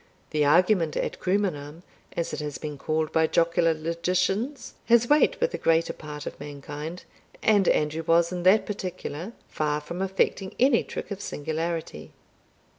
The argument ad crumenam, as it has been called by jocular logicians, has weight with the greater part of mankind, and Andrew was in that particular far from affecting any trick of singularity.